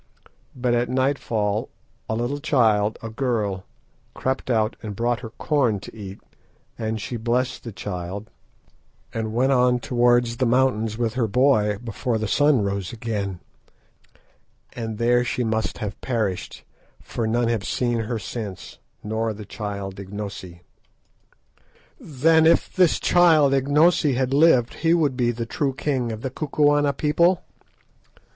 But at nightfall a little child, a girl, crept out and brought her corn to eat, and she blessed the child, and went on towards the mountains with her boy before the sun rose again, and there she must have perished, for none have seen her since, nor the child Ignosi." "Then if this child Ignosi had lived he would be the true king of the Kukuana people?"